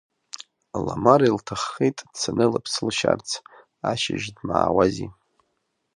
Ламара илҭаххеит дцаны лыԥсы лшьарц, ашьыжь дмаауази.